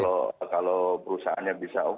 tapi kalau perusahaannya bisa oke